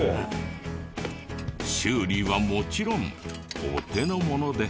修理はもちろんお手の物で。